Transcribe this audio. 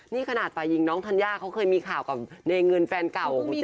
นี่ขนาดฝ่ายหญิงน้องธัญญาเขาเคยมีข่าวกับเนเงินแฟนเก่าของเจ